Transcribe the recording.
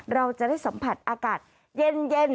เราจะได้สัมผัสอากาศเย็น